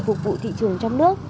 phục vụ thị trường trong nước